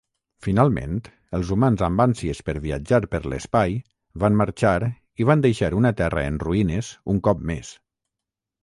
Finalment, els humans amb ànsies per viatjar per l'espai van marxar i van deixar una Terra en ruïnes un cop més.